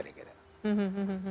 dan akhirnya dia dalam